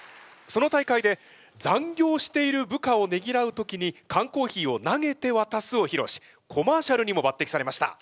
その大会で「残業している部下をねぎらう時に缶コーヒーを投げてわたす」をひろうしコマーシャルにもばってきされました。